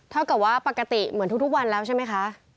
เท่ากับว่าปกติเหมือนทุกวันแล้วใช่ไหมคะ